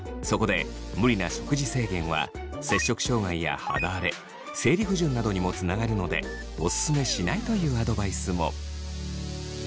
そこで無理な食事制限は摂食障害や肌荒れ生理不順などにもつながるのでおすすめしないというアドバイスも。